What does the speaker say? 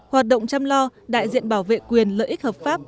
hoạt động chăm lo đại diện bảo vệ quyền lợi ích hợp pháp